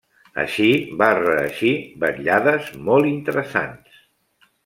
Així va reeixir vetllades molt interessants.